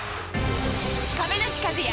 亀梨和也